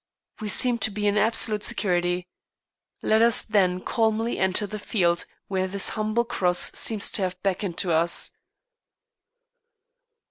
We seem to be in absolute security. Let us then calmly enter the field where this humble cross seems to have beckoned to us.